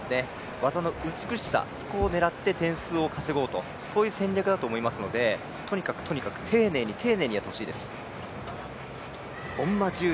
技の美しさを狙って点数を稼ごうという戦略だと思いますのでとにかくとにかく丁寧に丁寧にやってほしいです。